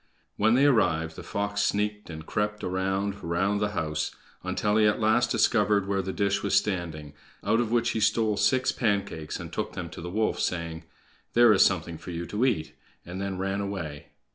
When they arrived, the fox sneaked and crept around round the house, until he at last discovered where the dish was standing, out of which he stole six pancakes, and took them to the wolf, saying, "There is something for you to eat!" and then ran away.